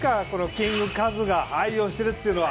キングカズが愛用してるっていうのは。